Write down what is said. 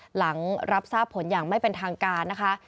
หลังรับทราบผลอย่างไม่เป็นทางการนะคะ